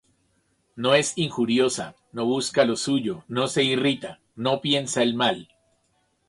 No es injuriosa, no busca lo suyo, no se irrita, no piensa el mal;